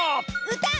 うた！